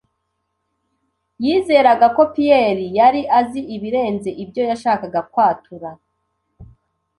Yizeraga ko Pierre yari azi ibirenze ibyo yashakaga kwatura.